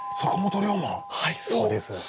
はいそうです。おっ！